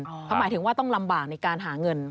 เขาหมายถึงว่าต้องลำบากในการหาเงิน